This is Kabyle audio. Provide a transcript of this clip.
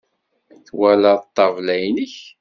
Twalaḍ ṭṭabla-inek?